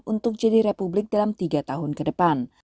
untuk jadi republik dalam tiga tahun ke depan